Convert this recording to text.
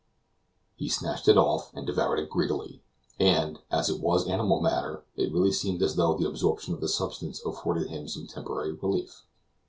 He snatched it off and devoured it greedily; and, as it was animal matter, it really seemed as though the absorption of the substance afforded him some temporary relief.